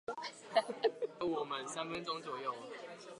希望你能給我們三分鐘左右